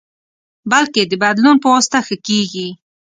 بلکې د بدلون پواسطه ښه کېږي.